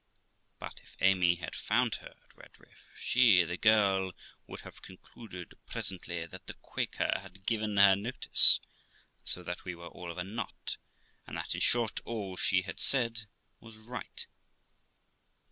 For if Amy had found her at Redriff, she (the girl) would have concluded presently that the Quaker had given her notice, and so that we were all of a knot; and that, in short, all she had said was right.